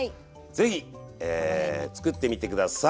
ぜひ作ってみて下さい。